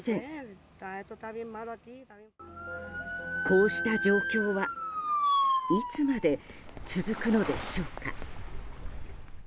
こうした状況はいつまで続くのでしょうか。